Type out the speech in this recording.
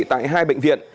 tại hai bệnh viện